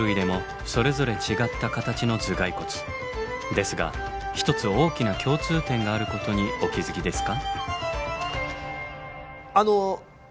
ですが一つ大きな共通点があることにお気付きですか？